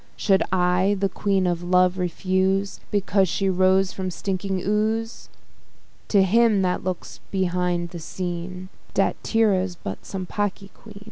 Should I the Queen of Love refuse, Because she rose from stinking ooze? To him that looks behind the scene, Statira's but some pocky quean.